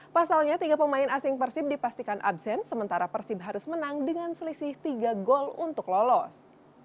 pasalnya tiga pemain asing persib dipastikan absen sementara persib harus menang dengan selisih tiga gol untuk lolos